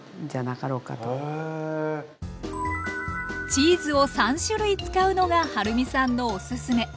チーズを３種類使うのがはるみさんのおすすめ。